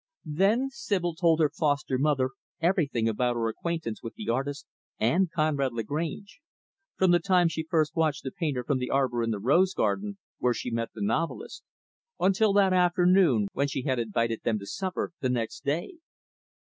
Then Sibyl told her foster mother everything about her acquaintance with the artist and Conrad Lagrange from the time she first watched the painter, from the arbor in the rose garden, where she met the novelist; until that afternoon, when she had invited them to supper, the next day.